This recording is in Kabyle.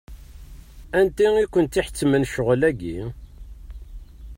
Anti i kent-iḥettmen ccɣel-agi?